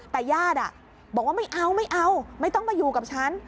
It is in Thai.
แต่ญาติอ่ะบอกว่าไม่เอาไม่ต้องมายุ่งกับฉัน